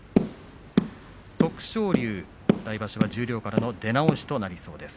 徳勝龍来場所は十両からの出直しとなりそうです。